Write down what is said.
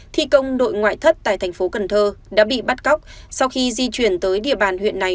thi công đội ngoại thất tại thành phố cần thơ đã bị bắt cóc sau khi di chuyển tới địa bàn huyện này